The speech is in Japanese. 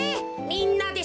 みんなで。